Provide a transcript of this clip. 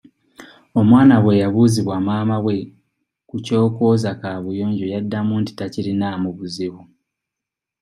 Omwana bwe yabuuzibwa maama we ku ky'okwoza kaabuyonjo yaddamu nti takirinaamu buzibu.